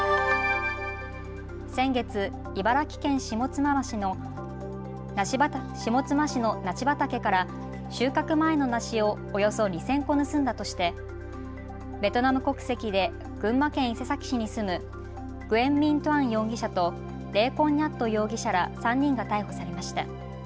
先月、茨城県下妻市の梨畑から収穫前の梨をおよそ２０００個盗んだとしてベトナム国籍で群馬県伊勢崎市に住む、グエン・ミン・トゥアン容疑者とレー・コン・ニャット容疑者ら３人が逮捕されました。